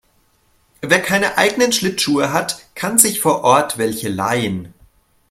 Wer keine eigenen Schlittschuhe hat, kann sich vor Ort welche leihen.